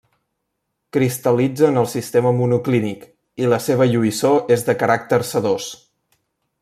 Cristal·litza en el sistema monoclínic, i la seva lluïssor és de caràcter sedós.